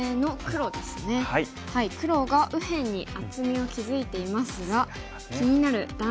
黒が右辺に厚みを築いていますが気になる断点がある局面です。